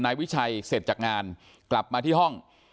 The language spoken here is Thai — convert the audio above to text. นายวิชัยเสร็จจากงานกลับมาที่ห้อง